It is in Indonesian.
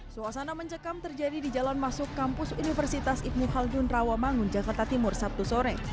suasana mencekam terjadi di jalan masuk kampus universitas ibn haldun rawamangun jakarta timur sabtu sore